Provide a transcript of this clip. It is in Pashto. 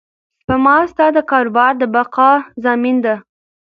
سپما ستا د کاروبار د بقا ضامن ده.